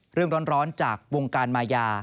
เรื่องร้อนจากวงการมายา